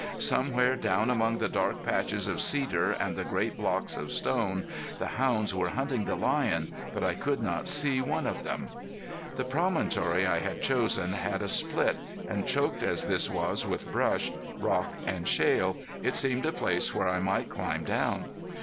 Somewhere down among the dark patches of cedar and the great blocks of stone the hounds were hunting the lion, but I could not see one of them. The promontory I had chosen had a split, and choked as this was with brush, rock, and shale, it seemed a place where I might climb down.